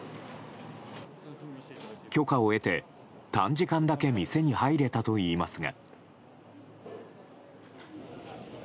許可を得て、短時間だけ店に入れたといいますが。